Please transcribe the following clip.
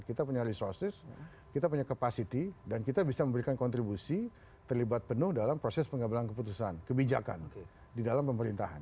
kita punya resources kita punya capacity dan kita bisa memberikan kontribusi terlibat penuh dalam proses pengambilan keputusan kebijakan di dalam pemerintahan